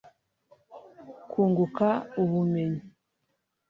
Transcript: kunguka ubumenyi